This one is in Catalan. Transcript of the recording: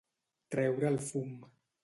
Treure el fum.